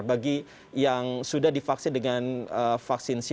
bagi yang sudah divaksin dengan vaksin booster